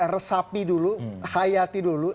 resapi dulu hayati dulu